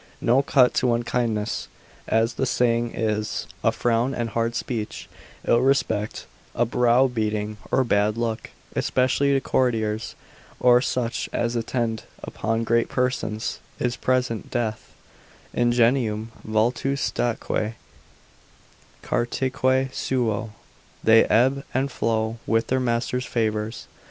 No cut to unkindness, as the saying is, a frown and hard speech, ill respect, a browbeating, or bad look, especially to courtiers, or such as attend upon great persons, is present death: Ingenium vultu statque caditque suo, they ebb and flow with their masters' favours.